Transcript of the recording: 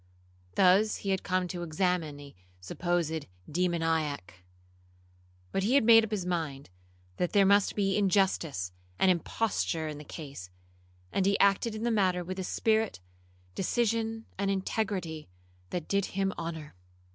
Thus he had come to examine a supposed demoniac; but he had made up his mind that there must be injustice and imposture in the case, and he acted in the matter with a spirit, decision, and integrity, that did him honour.